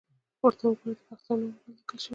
_ورته وګوره! د پاکستان نوم ورباندې ليکل شوی دی.